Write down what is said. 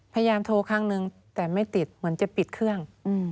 พยายามโทรครั้งนึงแต่ไม่ติดเหมือนจะปิดเครื่อง